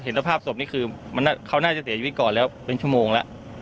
สภาพศพนี่คือเขาน่าจะเสียชีวิตก่อนแล้วเป็นชั่วโมงแล้ว